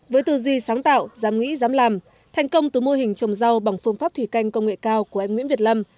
với tư duy sáng tạo dám nghĩ dám làm thành công từ mô hình trồng rau bằng phương pháp thủy canh công nghệ cao của anh nguyễn việt lâm